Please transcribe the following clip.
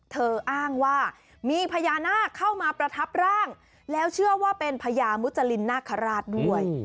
อ้างว่ามีพญานาคเข้ามาประทับร่างแล้วเชื่อว่าเป็นพญามุจรินนาคาราชด้วย